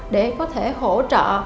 để có thể hỗ trợ